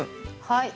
はい。